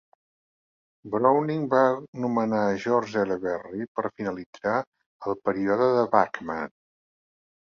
Browning va nomenar George L. Berry per finalitzar el període de Bachman.